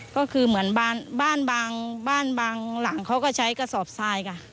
ก็คือเหมือนบ้านบางบ้านบางหลังเขาก็ใช้กระสอบทรายค่ะ